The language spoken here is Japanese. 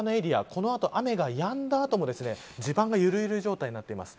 このあと、雨がやんだ後も地盤が緩い状態になっています。